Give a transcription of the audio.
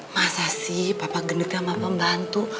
masa sih papa gede sama pembantu